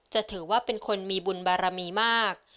จะถือว่าเป็นคนมีบุญบารมีมาก